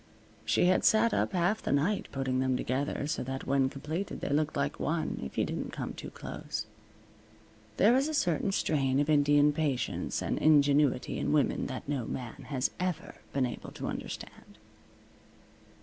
She had sat up half the night putting them together so that when completed they looked like one, if you didn't come too close. There is a certain strain of Indian patience and ingenuity in women that no man has ever been able to understand.